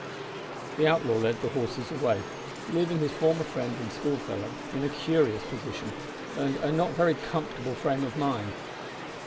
The outlaw led the horses away, leaving his former friend and schoolfellow in a curious position, and a not very comfortable frame of mind.